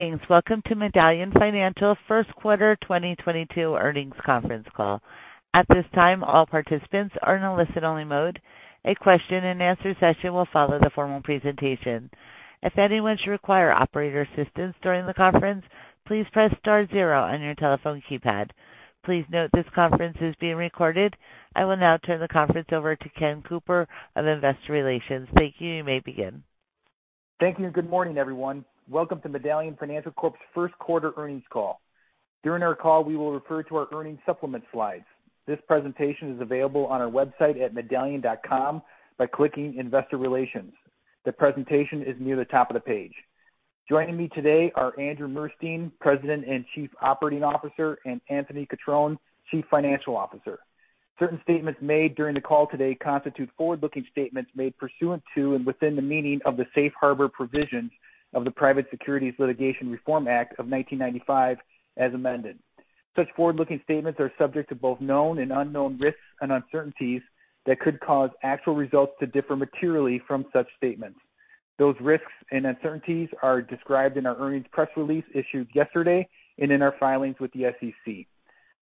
Thanks. Welcome to Medallion Financial Q1 2022 earnings conference call. At this time, all participants are in a listen-only mode. A question-and-answer session will follow the formal presentation. If anyone should require operator assistance during the conference, please press star zero on your telephone keypad. Please note this conference is being recorded. I will now turn the conference over to Ken Cooper of Investor Relations. Thank you. You may begin. Thank you and good morning, everyone. Welcome to Medallion Financial Corp's Q1 earnings call. During our call, we will refer to our earnings supplement slides. This presentation is available on our website at medallion.com by clicking Investor Relations. The presentation is near the top of the page. Joining me today are Andrew Murstein, President and Chief Operating Officer, and Anthony Cutrone, Chief Financial Officer. Certain statements made during the call today constitute forward-looking statements made pursuant to and within the meaning of the Safe Harbor Provisions of the Private Securities Litigation Reform Act of 1995, as amended. Such forward-looking statements are subject to both known and unknown risks and uncertainties that could cause actual results to differ materially from such statements. Those risks and uncertainties are described in our earnings press release issued yesterday and in our filings with the SEC.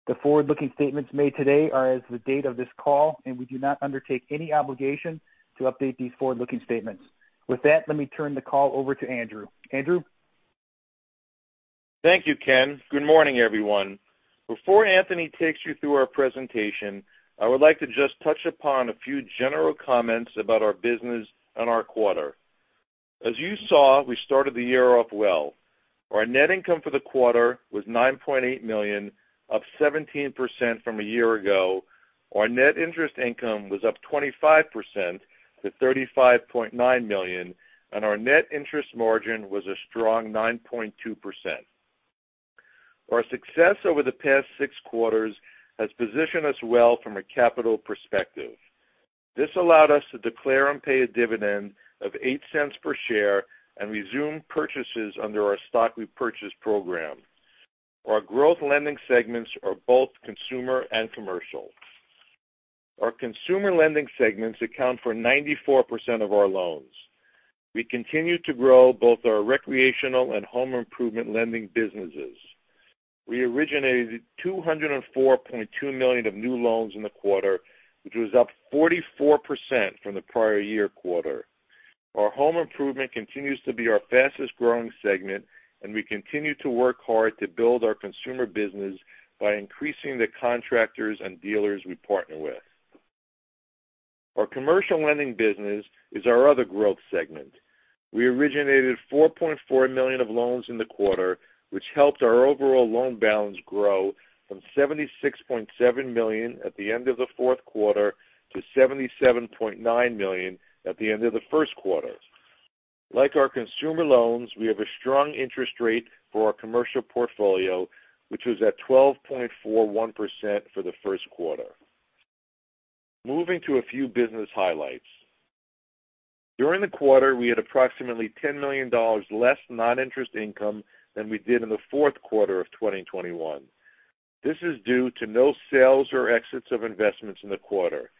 The forward-looking statements made today are as of the date of this call, and we do not undertake any obligation to update these forward-looking statements. With that, let me turn the call over to Andrew. Andrew. Thank you, Ken. Good morning, everyone. Before Anthony takes you through our presentation, I would like to just touch upon a few general comments about our business and our quarter. As you saw, we started the year off well. Our net income for the quarter was $9.8 million, up 17% from a year ago. Our net interest income was up 25% to $35.9 million, and our net interest margin was a strong 9.2%. Our success over the past six quarters has positioned us well from a capital perspective. This allowed us to declare and pay a dividend of $0.08 per share and resume purchases under our stock repurchase program. Our growth lending segments are both consumer and commercial. Our consumer lending segments account for 94% of our loans. We continue to grow both our recreational and home improvement lending businesses. We originated $204.2 million of new loans in the quarter, which was up 44% from the prior year quarter. Our home improvement continues to be our fastest-growing segment, and we continue to work hard to build our consumer business by increasing the contractors and dealers we partner with. Our commercial lending business is our other growth segment. We originated $4.4 million of loans in the quarter, which helped our overall loan balance grow from $76.7 million at the end of the Q4 to $77.9 million at the end of the Q1. Like our consumer loans, we have a strong interest rate for our commercial portfolio, which was at 12.41% for the Q1. Moving to a few business highlights. During the quarter, we had approximately $10 million less non-interest income than we did in the Q4 of 2021. This is due to no sales or exits of investments in the quarter.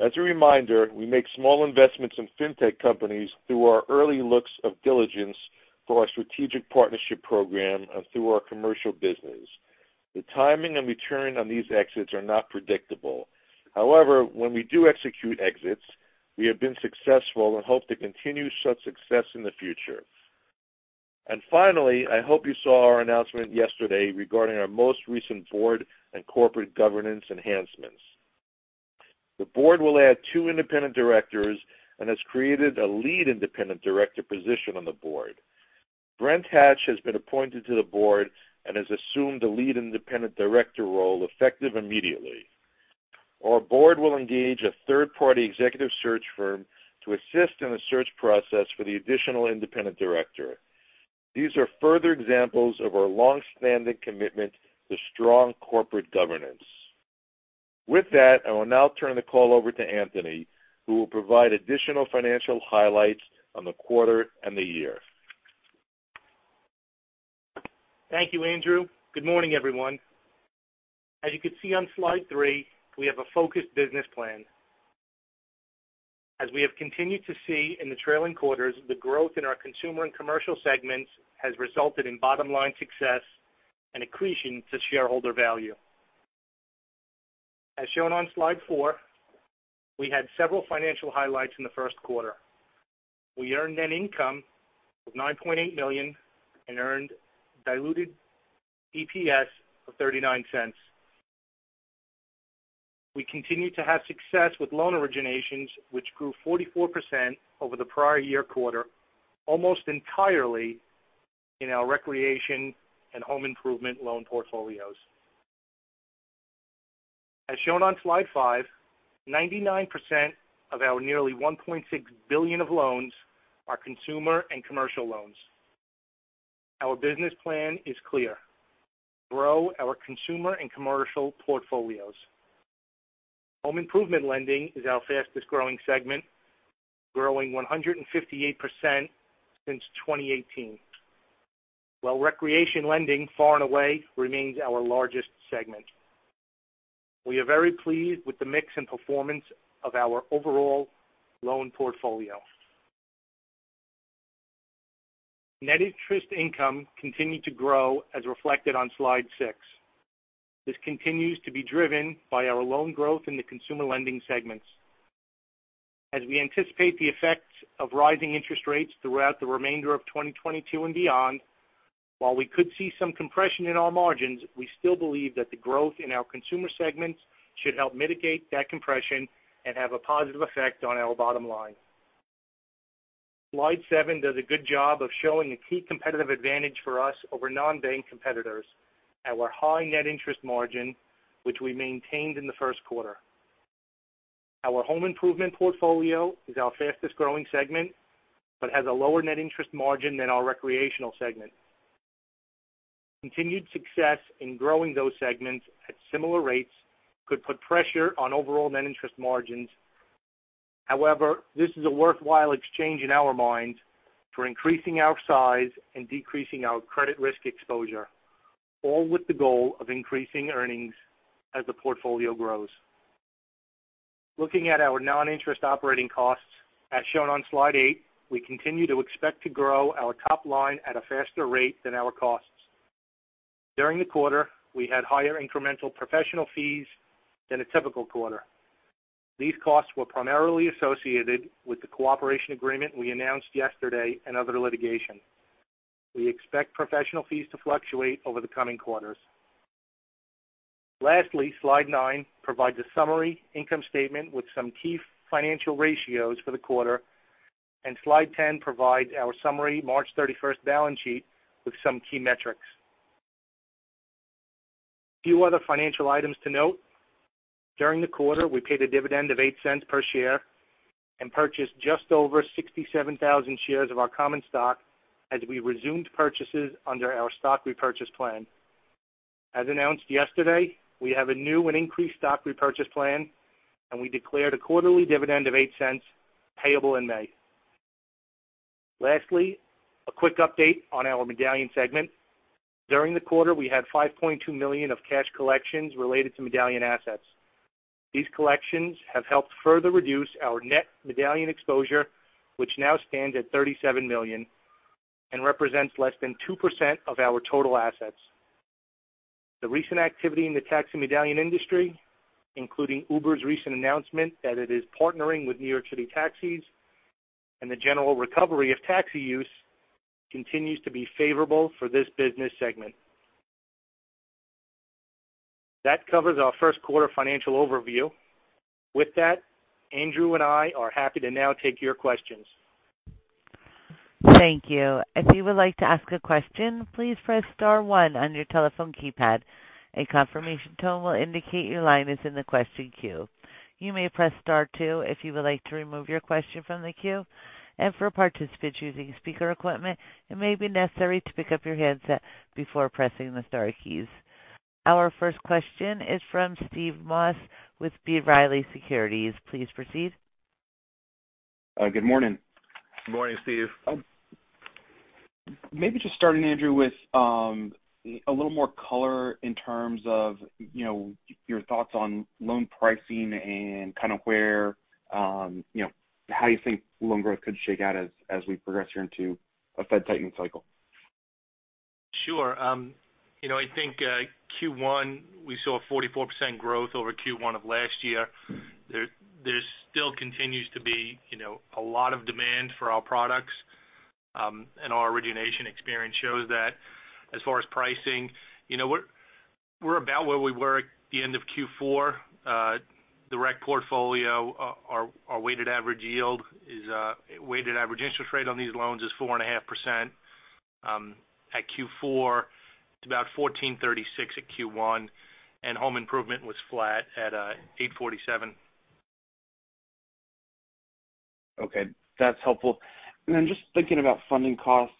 As a reminder, we make small investments in fintech companies through our early looks of diligence for our strategic partnership program and through our commercial business. The timing and return on these exits are not predictable. However, when we do execute exits, we have been successful and hope to continue such success in the future. Finally, I hope you saw our announcement yesterday regarding our most recent board and corporate governance enhancements. The board will add two independent directors and has created a lead independent director position on the board. Brent O. Hatch has been appointed to the board and has assumed the lead independent director role effective immediately. Our board will engage a third-party executive search firm to assist in the search process for the additional independent director. These are further examples of our long-standing commitment to strong corporate governance. With that, I will now turn the call over to Anthony, who will provide additional financial highlights on the quarter and the year. Thank you, Andrew. Good morning, everyone. As you can see on slide three, we have a focused business plan. As we have continued to see in the trailing quarters, the growth in our consumer and commercial segments has resulted in bottom-line success and accretion to shareholder value. As shown on slide four, we had several financial highlights in the Q1. We earned net income of $9.8 million and earned diluted EPS of $0.39. We continue to have success with loan originations, which grew 44% over the prior year quarter, almost entirely in our recreation and home improvement loan portfolios. As shown on slide five, 99% of our nearly $1.6 billion of loans are consumer and commercial loans. Our business plan is clear. Grow our consumer and commercial portfolios. Home improvement lending is our fastest-growing segment, growing 158% since 2018. While recreation lending, far and away, remains our largest segment. We are very pleased with the mix and performance of our overall loan portfolio. Net interest income continued to grow as reflected on Slide 6. This continues to be driven by our loan growth in the consumer lending segments. As we anticipate the effects of rising interest rates throughout the remainder of 2022 and beyond, while we could see some compression in our margins, we still believe that the growth in our consumer segments should help mitigate that compression and have a positive effect on our bottom line. Slide 7 does a good job of showing a key competitive advantage for us over non-bank competitors, our high net interest margin, which we maintained in the Q1. Our home improvement portfolio is our fastest growing segment, but has a lower net interest margin than our recreational segment. Continued success in growing those segments at similar rates could put pressure on overall net interest margins. However, this is a worthwhile exchange in our minds for increasing our size and decreasing our credit risk exposure, all with the goal of increasing earnings as the portfolio grows. Looking at our non-interest operating costs as shown on slide 8, we continue to expect to grow our top line at a faster rate than our costs. During the quarter, we had higher incremental professional fees than a typical quarter. These costs were primarily associated with the cooperation agreement we announced yesterday and other litigation. We expect professional fees to fluctuate over the coming quarters. Lastly, slide 9 provides a summary income statement with some key financial ratios for the quarter. Slide 10 provides our summary March 31 balance sheet with some key metrics. A few other financial items to note. During the quarter, we paid a dividend of $0.08 per share and purchased just over 67,000 shares of our common stock as we resumed purchases under our stock repurchase plan. As announced yesterday, we have a new and increased stock repurchase plan, and we declared a quarterly dividend of $0.08 payable in May. Lastly, a quick update on our medallion segment. During the quarter, we had $5.2 million of cash collections related to medallion assets. These collections have helped further reduce our net medallion exposure, which now stands at $37 million and represents less than 2% of our total assets. The recent activity in the taxi medallion industry, including Uber's recent announcement that it is partnering with New York City taxis, and the general recovery of taxi use continues to be favorable for this business segment. That covers our Q1 financial overview. With that, Andrew and I are happy to now take your questions. Thank you. If you would like to ask a question, please press star one on your telephone keypad. A confirmation tone will indicate your line is in the question queue. You may press star two if you would like to remove your question from the queue. For participants using speaker equipment, it may be necessary to pick up your handset before pressing the star keys. Our first question is from Steve Moss with B. Riley Securities. Please proceed. Good morning. Good morning, Steve. Maybe just starting, Andrew, with a little more color in terms of, you know, your thoughts on loan pricing and kind of where, you know, how you think loan growth could shake out as we progress here into a Fed tightening cycle. Sure. You know, I think Q1, we saw a 44% growth over Q1 of last year. There still continues to be, you know, a lot of demand for our products. Our origination experience shows that as far as pricing, you know, we're about where we were at the end of Q4. The rec portfolio, our weighted average yield is weighted average interest rate on these loans is 4.5% at Q4. It's about 14.36% at Q1, and home improvement was flat at 8.47%. Okay. That's helpful. Then just thinking about funding costs.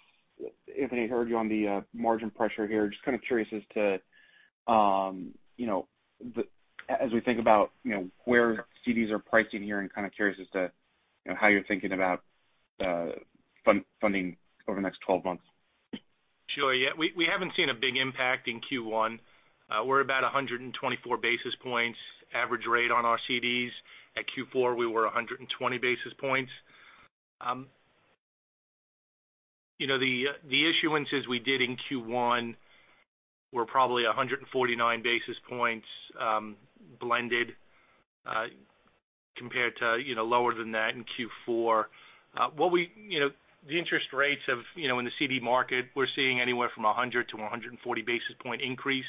Anthony, I heard you on the margin pressure here. Just kind of curious as to, you know, as we think about, you know, where CDs are pricing here and kind of curious as to, you know, how you are thinking about funding over the next 12 months. Sure. Yeah, we haven't seen a big impact in Q1. We're about 124 basis points average rate on our CDs. At Q4, we were 120 basis points. You know, the issuances we did in Q1 were probably 149 basis points, blended, compared to, you know, lower than that in Q4. You know, the interest rates of, you know, in the CD market, we're seeing anywhere from 100 to 140 basis point increase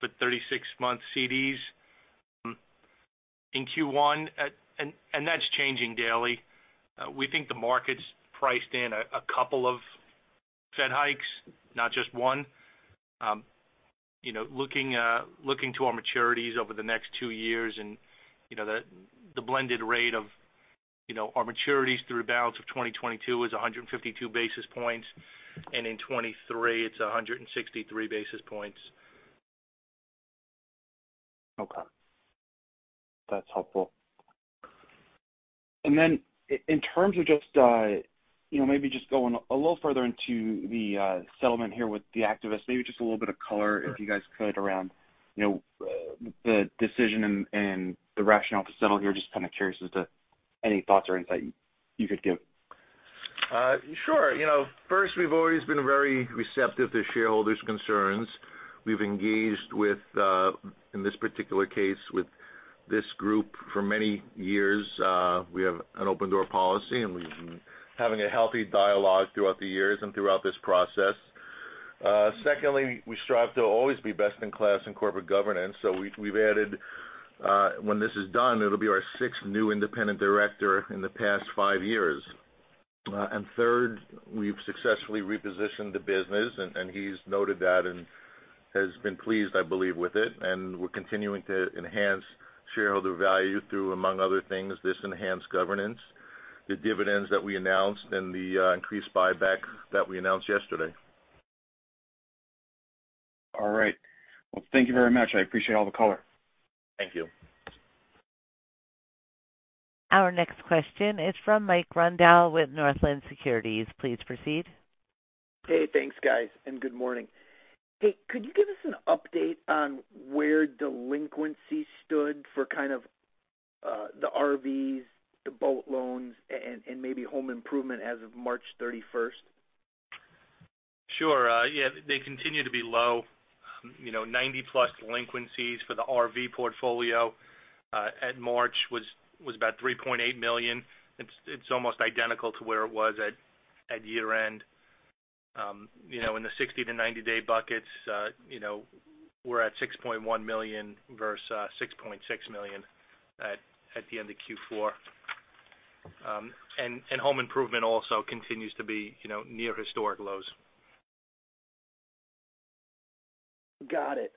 for 36-month CDs, in Q1. And that's changing daily. We think the market's priced in a couple of Fed hikes, not just one. You know, looking to our maturities over the next two years and, you know, the blended rate of, you know, our maturities through balance of 2022 is 152 basis points. In 2023, it's 163 basis points. Okay. That's helpful. Then in terms of just, you know, maybe just going a little further into the settlement here with the activists, maybe just a little bit of color, if you guys could, around, you know, the decision and the rationale to settle here. Just kind of curious as to any thoughts or insight you could give. Sure. You know, first, we've always been very receptive to shareholders' concerns. We've engaged with, in this particular case, with this group for many years. We have an open door policy, and we've been having a healthy dialogue throughout the years and throughout this process. Secondly, we strive to always be best in class in corporate governance. We've added, when this is done, it'll be our sixth new independent director in the past five years. Third, we've successfully repositioned the business and he's noted that and has been pleased, I believe, with it. We're continuing to enhance shareholder value through, among other things, this enhanced governance, the dividends that we announced and the increased buyback that we announced yesterday. All right. Well, thank you very much. I appreciate all the color. Thank you. Our next question is from Mike Grondahl with Northland Securities. Please proceed. Hey, thanks, guys, and good morning. Hey, could you give us an update on where delinquency stood for kind of the RVs, the boat loans and maybe home improvement as of March thirty-first? Sure. Yeah, they continue to be low. You know, 90+ delinquencies for the RV portfolio at March was about $3.8 million. It's almost identical to where it was at year-end. You know, in the 60- to 90-day buckets, you know, we're at $6.1 million versus $6.6 million at the end of Q4. Home improvement also continues to be, you know, near historic lows. Got it.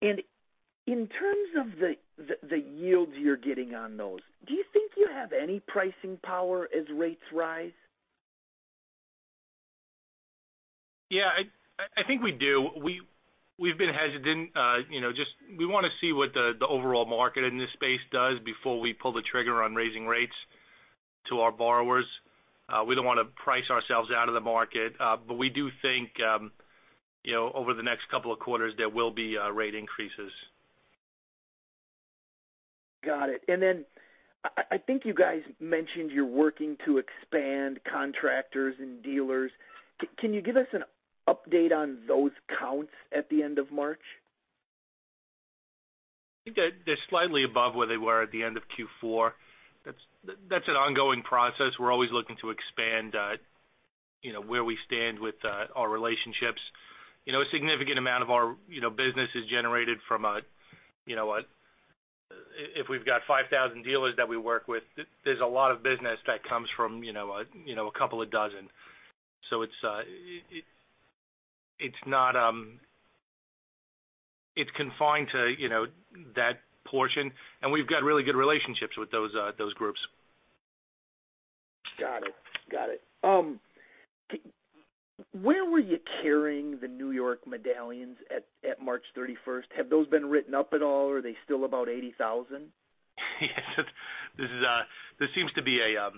In terms of the yields you're getting on those, do you think you have any pricing power as rates rise? Yeah, I think we do. We've been hesitant, you know, just we wanna see what the overall market in this space does before we pull the trigger on raising rates to our borrowers. We don't wanna price ourselves out of the market. We do think, you know, over the next couple of quarters, there will be rate increases. Got it. I think you guys mentioned you're working to expand contractors and dealers. Can you give us an update on those counts at the end of March? I think they're slightly above where they were at the end of Q4. That's an ongoing process. We're always looking to expand, you know, where we stand with our relationships. You know, a significant amount of our, you know, business is generated from a, you know, a. If we've got 5,000 dealers that we work with, there's a lot of business that comes from, you know, a, you know, a couple of dozen. It's not confined to, you know, that portion, and we've got really good relationships with those groups. Got it. Where were you carrying the New York medallions at March 31? Have those been written up at all? Are they still about $80,000? Yes. This seems to be a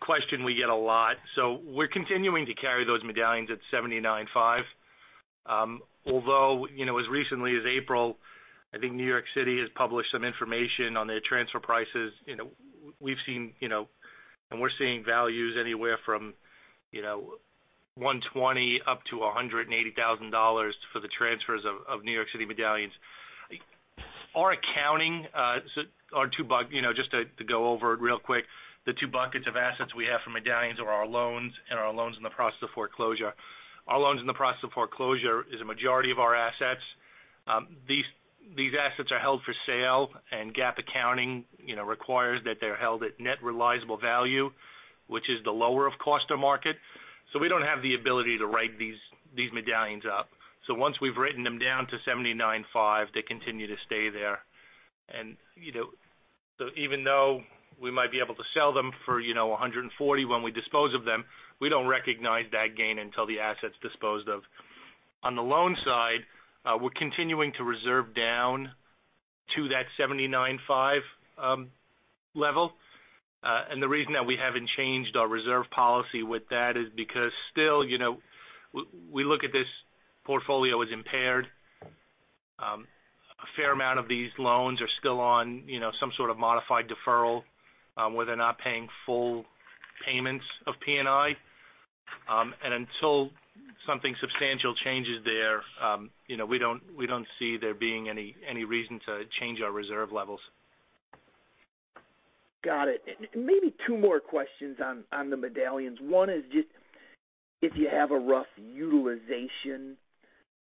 question we get a lot. We're continuing to carry those medallions at $795. Although, you know, as recently as April, I think New York City has published some information on their transfer prices. You know, we've seen, you know, and we're seeing values anywhere from $120,000-$180,000 for the transfers of New York City medallions. Our accounting, you know, just to go over it real quick, the two buckets of assets we have for medallions are our loans and our loans in the process of foreclosure. Our loans in the process of foreclosure is a majority of our assets. These assets are held for sale, and GAAP accounting, you know, requires that they're held at net realizable value, which is the lower of cost or market. We don't have the ability to write these medallions up. Once we've written them down to $795, they continue to stay there. Even though we might be able to sell them for $140 when we dispose of them, we don't recognize that gain until the asset's disposed of. On the loan side, we're continuing to reserve down to that $795 level. The reason that we haven't changed our reserve policy with that is because still, you know, we look at this portfolio as impaired. A fair amount of these loans are still on, you know, some sort of modified deferral, where they're not paying full payments of P&I. Until something substantial changes there, you know, we don't see there being any reason to change our reserve levels. Got it. Maybe two more questions on the medallions. One is just if you have a rough utilization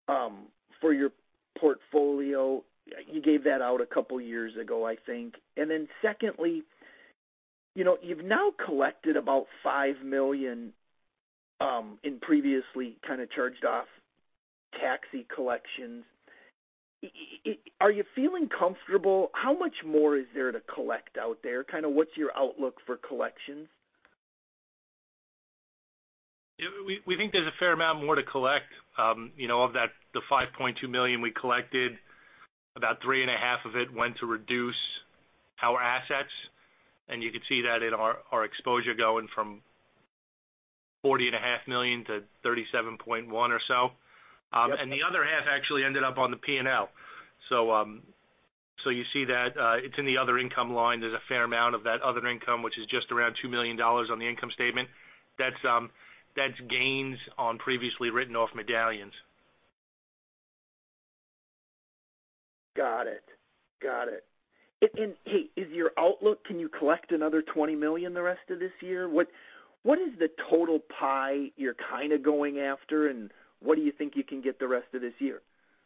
for your portfolio. You gave that out a couple years ago, I think. Then secondly, you know, you've now collected about $5 million in previously kind of charged-off taxi collections. Are you feeling comfortable? How much more is there to collect out there? Kind of what's your outlook for collections? We think there's a fair amount more to collect. You know, of that, the $5.2 million we collected, about three and a half of it went to reduce our assets. You could see that in our exposure going from $40.5 million to $37.1 million or so. The other half actually ended up on the P&L. You see that it's in the other income line. There's a fair amount of that other income, which is just around $2 million on the income statement. That's gains on previously written off medallions. Got it. Hey, is your outlook? Can you collect another $20 million the rest of this year? What is the total pie you're kinda going after, and what do you think you can get the rest of this year?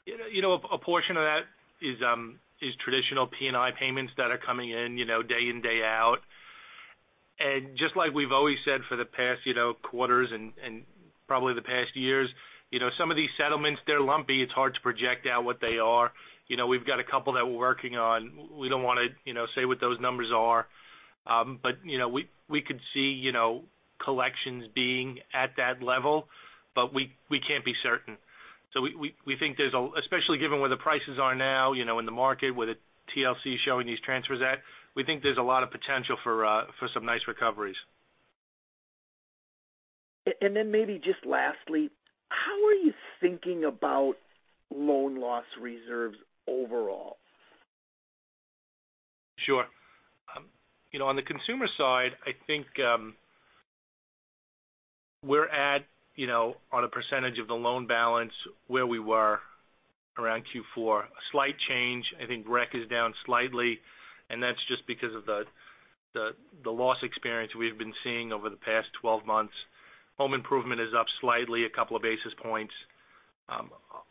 You know, a portion of that is traditional P&I payments that are coming in, you know, day in, day out. Just like we've always said for the past, you know, quarters and probably the past years, you know, some of these settlements, they're lumpy. It's hard to project out what they are. You know, we've got a couple that we're working on. We don't wanna, you know, say what those numbers are. But you know, we could see, you know, collections being at that level, but we can't be certain. Especially given where the prices are now, you know, in the market, where the TLC is showing these transfers at, we think there's a lot of potential for some nice recoveries. Maybe just lastly, how are you thinking about loan loss reserves overall? Sure. You know, on the consumer side, I think, we're at, you know, on a percentage of the loan balance where we were around Q4. A slight change. I think rec is down slightly, and that's just because of the loss experience we have been seeing over the past 12 months. Home improvement is up slightly, a couple of basis points.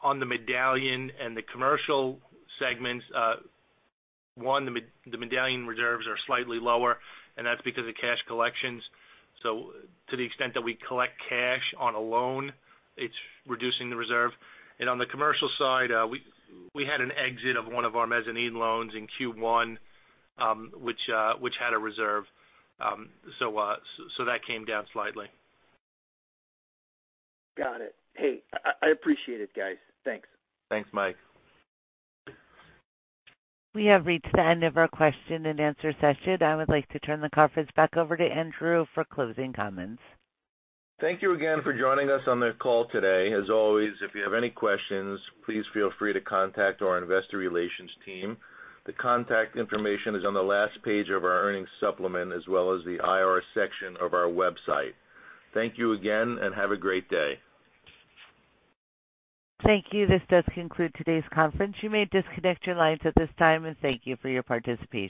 On the medallion and the commercial segments, the medallion reserves are slightly lower, and that's because of cash collections. To the extent that we collect cash on a loan, it's reducing the reserve. On the commercial side, we had an exit of one of our mezzanine loans in Q1, which had a reserve. So that came down slightly. Got it. Hey, I appreciate it, guys. Thanks. Thanks, Mike. We have reached the end of our question and answer session. I would like to turn the conference back over to Andrew for closing comments. Thank you again for joining us on the call today. As always, if you have any questions, please feel free to contact our investor relations team. The contact information is on the last page of our earnings supplement as well as the IR section of our website. Thank you again, and have a great day. Thank you. This does conclude today's conference. You may disconnect your lines at this time, and thank you for your participation.